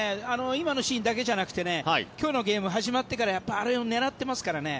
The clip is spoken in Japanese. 今のシーンだけじゃなくて今日のゲーム始まってからあれを狙ってますからね。